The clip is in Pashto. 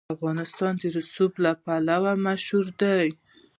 افغانستان د رسوب لپاره مشهور دی.